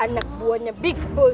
anak buahnya big boss